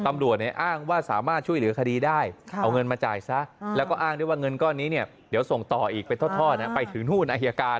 ตำรวจอ้างว่าสามารถช่วยเหลือคดีได้เอาเงินมาจ่ายซะแล้วก็อ้างด้วยว่าเงินก้อนนี้เนี่ยเดี๋ยวส่งต่ออีกเป็นทอดไปถึงนู่นอายการ